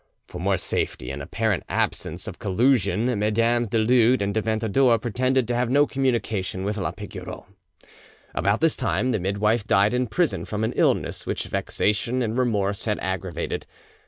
For more safety and apparent absence of collusion Mesdames du Lude and de Ventadour pretended to have no communication with la Pigoreau. About this time the midwife died in prison, from an illness which vexation and remorse had aggravated.